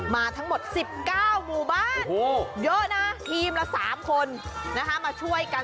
มาทั้งหมด๑๙หมู่บ้านเยอะนะทีมละ๓คนมาช่วยกัน